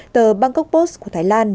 tờ bangkok post của thái lan